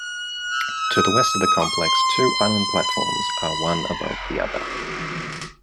To the west of the complex two island platforms are one above the other.